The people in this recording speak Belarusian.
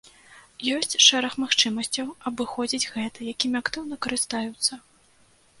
Ёсць шэраг магчымасцяў абыходзіць гэта, якімі актыўна карыстаюцца.